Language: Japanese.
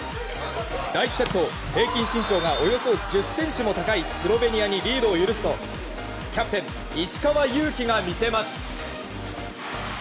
第１セット、平均身長がおよそ１０ｃｍも高いスロベニアにリードを許すとキャプテン、石川祐希が見せます。